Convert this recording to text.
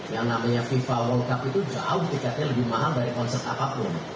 yang namanya fifa world cup itu jauh tiketnya lebih mahal dari konsep apapun